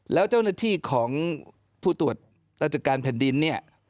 แล้วเจ้าหน้าที่ของผู้ตรวจราชการแผ่นดินเนี่ย